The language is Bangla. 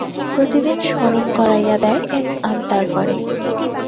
প্রতিদিন স্মরণ করাইয়া দেয় এবং আবদার করে।